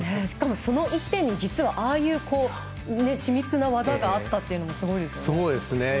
しかも、その１点にああいう緻密な技があったというのもすごいですね。